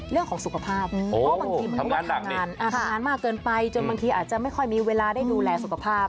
เรื่องของสุขภาพเพราะบางทีมันก็ทำงานทำงานมากเกินไปจนบางทีอาจจะไม่ค่อยมีเวลาได้ดูแลสุขภาพ